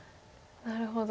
なるほど。